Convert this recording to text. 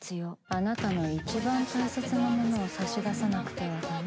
あなたの一番大切なものを差し出さなくてはだめ。